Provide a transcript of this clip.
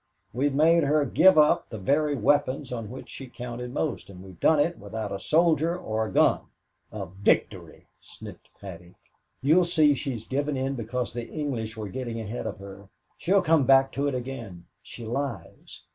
We've made her give up the very weapons on which she counted most, and we've done it without a soldier or a gun." "A victory!" sniffed Patsy; "you'll see she's given in because the English were getting ahead of her. She'll come back to it again. She lies.